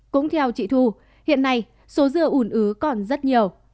cũng theo chị thu hiện nay số dư ủn ứ còn rất nhiều